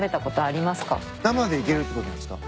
生でいけるってことなんすか？